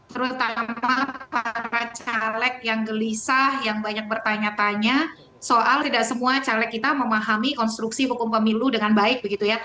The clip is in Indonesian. terutama para caleg yang gelisah yang banyak bertanya tanya soal tidak semua caleg kita memahami konstruksi hukum pemilu dengan baik begitu ya